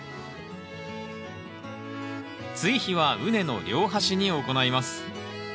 追肥は畝の両端に行います